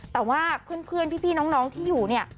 แต่ว่าเพื่อนพี่น้องที่อยู่เนี่ย